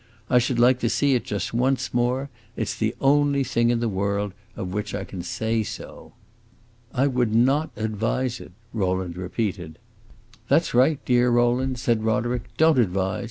I should like to see it just once more; it 's the only thing in the world of which I can say so." "I would not advise it," Rowland repeated. "That 's right, dear Rowland," said Roderick; "don't advise!